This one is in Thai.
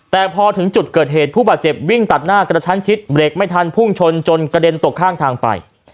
แต่พอถึงจุดเกิดเหตุผู้บาดเจ็บวิ่งตัดหน้ากระชั้นชิดเบรกไม่ทันพุ่งชนจนกระเด็นตกข้างทางไป